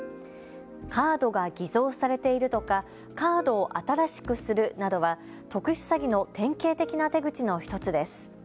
カードが偽造されているとかカードを新しくするなどは特殊詐欺の典型的な手口の１つです。